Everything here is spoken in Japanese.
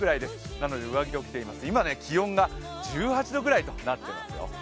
なので上着を着ています、今、気温が１８度くらいとなっていますよ。